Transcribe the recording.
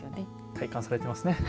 体感されてますね。